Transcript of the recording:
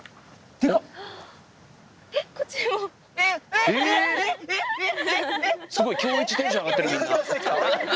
すごい今日一テンション上がってるみんな。